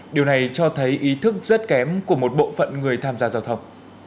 điều này cho thấy ý thức rất kém của một bộ phận người tham gia giao thông